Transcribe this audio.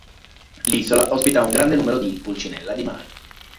L'isola ospita un grande numero di pulcinella di mare.